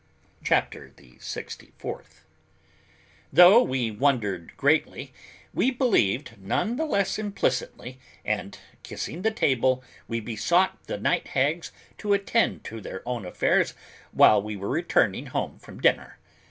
CHAPTER THE SIXTY FOURTH. Though we wondered greatly, we believed none the less implicitly and, kissing the table, we besought the night hags to attend to their own affairs while we were returning home from dinner.